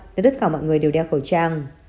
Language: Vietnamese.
nếu tất cả mọi người đều đeo khẩu trang